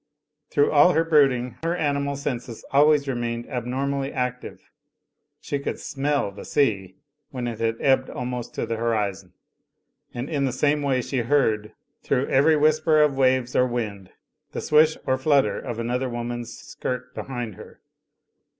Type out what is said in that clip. Through all her brooding her animal senses always remained abnormally active: she could smell the sea when it had ebbed almost to the horizon, and in the same way she heard, through every whisper of waves or wind, the swish or flutter of another woman's skirt behind her.